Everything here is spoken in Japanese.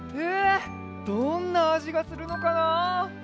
どんなあじがするのかな？